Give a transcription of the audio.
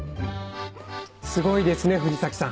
すごいですね藤崎さん。